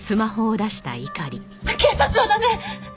警察は駄目！